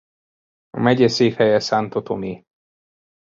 A megye székhelye Santo Tomé.